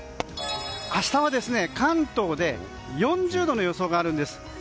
明日は関東で４０度の予想があるんです。